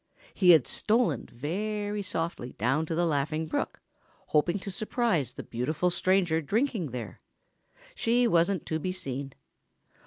He had stolen very softly down to the Laughing Brook, hoping to surprise the beautiful stranger drinking there. She wasn't to be seen.